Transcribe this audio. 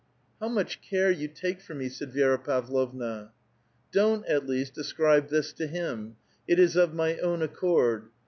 " How much care you take for me," said Vi^ra Pavlovna. " Don't, at least, ascribe this to him ; it is of my own ac cord.